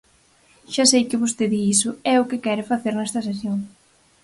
Xa sei que vostede iso é o que quere facer nesta sesión.